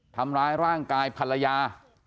ทำร้ายร่างกายภรรยา